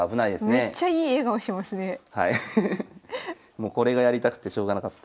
もうこれがやりたくてしょうがなかったんで。